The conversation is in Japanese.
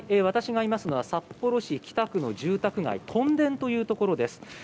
私がいますのは札幌市北区の住宅街、屯田というところです。